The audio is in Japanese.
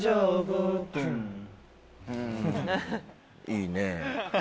いいねぇ。